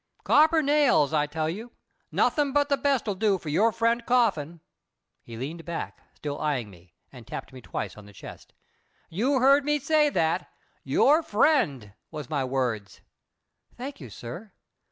"Copper nails, I tell you. Nothing but the best'll do for your friend Coffin." He leaned back, still eyeing me, and tapped me twice on the chest. "You heard me say that? 'Your friend' was my words." "Thank you, sir."